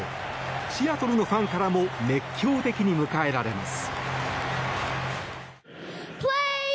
シアトルのファンからも熱狂的に迎えられます。